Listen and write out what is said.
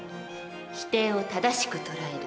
否定を正しく捉える。